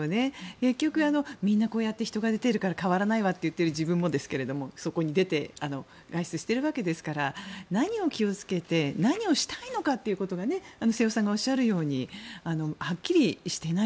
結局、みんな人が出ているから変わらないわと言っている自分もですがそこに出て外出しているわけですから何を気をつけて何をしたいのか瀬尾さんがおっしゃるようにはっきりしていない。